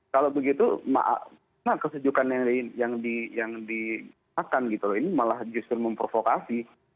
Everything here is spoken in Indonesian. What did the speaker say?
kalau begitu maaf kesejukan yang dimakan gitu loh ini malah justru memprovokasi